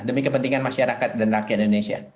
demi kepentingan masyarakat dan rakyat indonesia